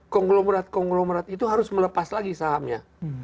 konglomerat konglomerat itu harus melepas lagi sahamnya